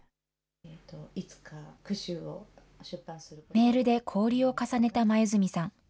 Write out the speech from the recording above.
メールで交流を重ねた黛さん。